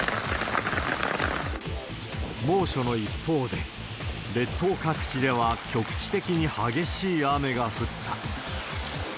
猛暑の一方で、列島各地では局地的に激しい雨が降った。